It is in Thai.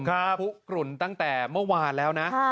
ทุกกลุ่นตั้งแต่เมื่อวานแล้วนะ